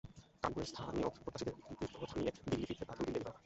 কানপুরে স্থানীয় প্রত্যাশীদের বিদ্রোহ থামিয়ে দিল্লি ফিরতে তাঁর দুদিন দেরি হয়।